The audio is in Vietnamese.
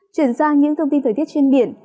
chuyển sang những thông tin thời tiết trên biển